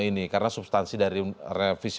ini karena substansi dari revisi